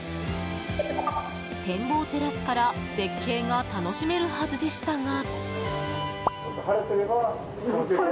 展望テラスから絶景が楽しめるはずでしたが。